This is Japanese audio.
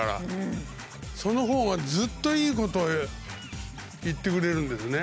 そのほうがずっといいことを言ってくれるんですね。